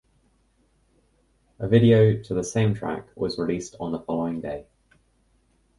A video to the same track was released on the following day.